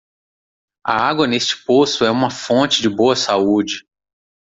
A água neste poço é uma fonte de boa saúde.